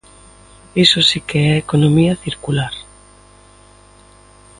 ¡Iso si que é economía circular!